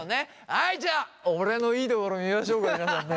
はいじゃあ俺のいいところ見ましょうか皆さんね。